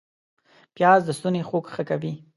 پیاز د ستوني خوږ ښه کوي